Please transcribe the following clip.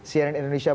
cnn indonesia berikuti